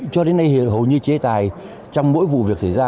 cho đến nay hầu như chế tài trong mỗi vụ việc xảy ra